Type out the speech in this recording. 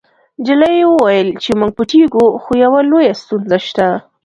نجلۍ وویل چې موږ پټیږو خو یوه لویه ستونزه شته